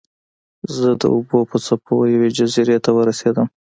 زه د اوبو په څپو یوې جزیرې ته ورسیدم.